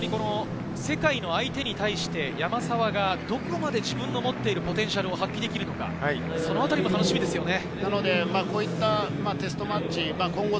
世界の相手に対して山沢がどこまで自分の持っているポテンシャルを発揮できるのか、そのあたりも楽しみですよね。